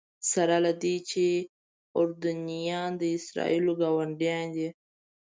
سره له دې چې اردنیان د اسرائیلو ګاونډیان دي.